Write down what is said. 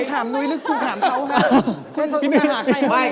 คุณถามนุ๋ยฤ่งคุณถามเขามา